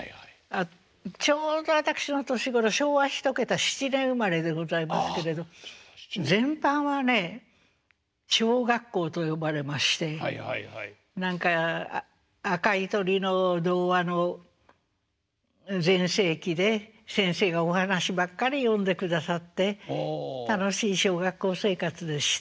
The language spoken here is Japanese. ちょうど私の年頃昭和一桁７年生まれでございますけれど前半はね小学校と呼ばれまして何か「赤い鳥」の童話の全盛期で先生がお話ばっかり読んでくださって楽しい小学校生活でした。